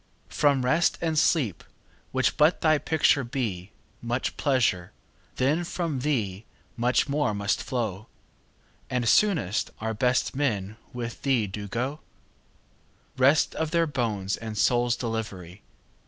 From Rest and Sleep, which but thy picture be, 5 Much pleasure, then from thee much more must flow; And soonest our best men with thee do go— Rest of their bones and souls' delivery!